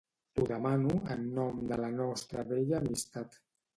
T'ho demano en nom de la nostra vella amistat.